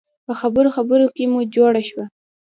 په خبرو خبرو کې مو جوړه شوه.